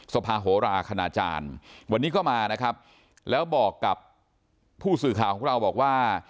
สภาโหราคณาจารย์วันนี้ก็มานะครับแล้วบอกกับผู้สื่อข่าวของเราบอกว่า